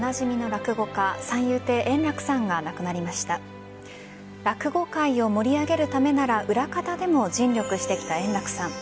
落語界を盛り上げるためなら裏方でも尽力してきた円楽さん。